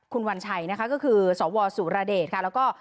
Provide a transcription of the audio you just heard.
คุณวัญชัยนะคะก็คือสวสุรเดชค่ะแล้วก็